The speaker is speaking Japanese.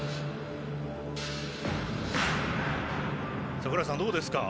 櫻井さん、どうですか？